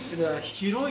広い。